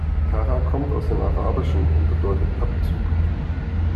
Tara kommt aus dem Arabischen und bedeutet Abzug.